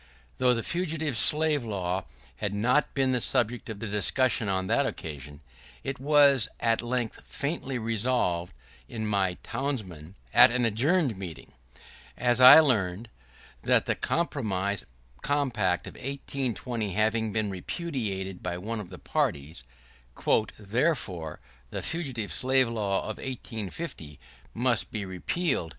Though the Fugitive Slave Law had not been the subject of discussion on that occasion, it was at length faintly resolved by my townsmen, at an adjourned meeting, as I learn, that the compromise compact of 1820 having been repudiated by one of the parties, "Therefore,… the Fugitive Slave Law of 1850 must be repealed."